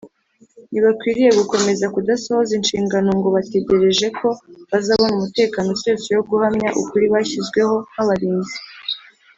ntibakwiriye gukomeza kudasohoza inshingano ngo bategereje ko bazabona umutekano usesuye wo guhamya ukuri bashyizweho nk’abarinzi